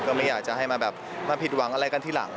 ไม่อยากจะให้มาแบบมาผิดหวังอะไรกันทีหลัง